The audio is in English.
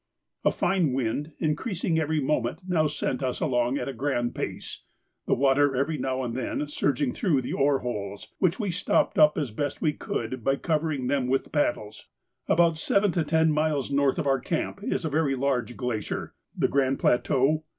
A fine wind, increasing every moment, now sent us along at a grand pace, the water every now and then surging through the oar holes, which we stopped as best we could by covering them with paddles. About seven to ten miles north of our camp is a very large glacier (the Grand Plateau?)